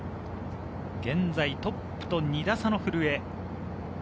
現在トップと２打差の古江。